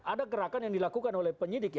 ada gerakan yang dilakukan oleh penyidik